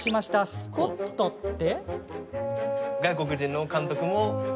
スコットって？